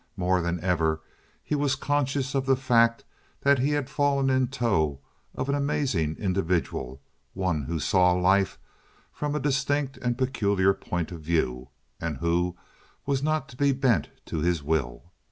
More than ever was he conscious of the fact that he had fallen in tow of an amazing individual, one who saw life from a distinct and peculiar point of view and who was not to be bent to his will.